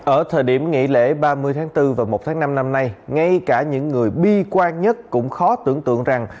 ở thời điểm nghỉ lễ ba mươi tháng bốn và một tháng năm năm nay ngay cả những người bi quan nhất cũng khó tưởng tượng rằng